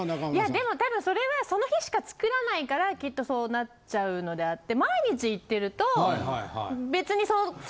でも多分それはその日しか作らないからきっとそうなっちゃうのであって。